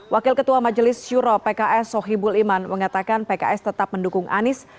wakil ketua majelis syuro pks sohibul iman mengatakan pks tetap mendukung anies